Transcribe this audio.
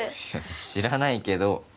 知らないけど